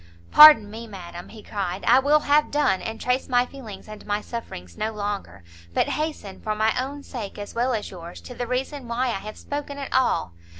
"Pardon me, madam," he cried; "I will have done, and trace my feelings and my sufferings no longer, but hasten, for my own sake as well as yours, to the reason why I have spoken at all.